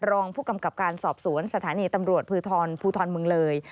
รองผู้กำกับการสอบสวนสถานีตำรวจภูทรภูทรเมืองเลย